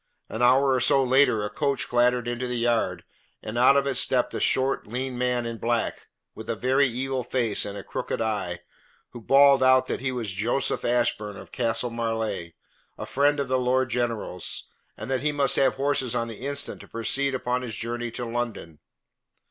An hour or so later a coach clattered into the yard, and out of it stepped a short, lean man in black, with a very evil face and a crooked eye, who bawled out that he was Joseph Ashburn of Castle Marleigh, a friend of the Lord General's, and that he must have horses on the instant to proceed upon his journey to London.